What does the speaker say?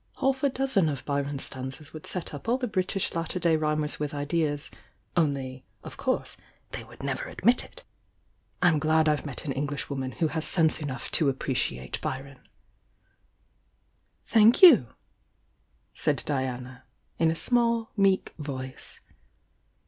Half a dozen of Byron's stanzas would set up all the British latter day rhymers with ideas, — only, of course, they would never admit it. I'm glad I've met an Englishwoman who has sense enou^ to appreciate Byron." "Thank you I" said Diana in a small, meek voice.